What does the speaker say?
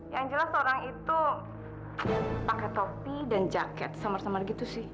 yang jelas orang itu pakai topi dan jaket samar summer gitu sih